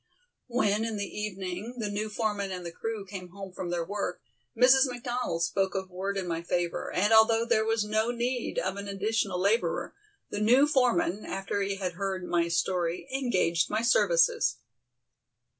When in the evening the new foreman and the crew came home from their work, Mrs. McDonald spoke a word in my favor, and although there was no need of an additional laborer, the new foreman, after he had heard my story, engaged my services.